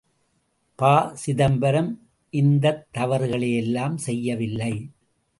ப.சிதம்பரம் இந்தத் தவறுகளையெல்லாம் செய்யவில்லை.